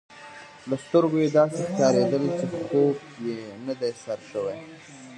له سترګو يې داسي ښکارېدل، چي خوب یې نه دی سر شوی.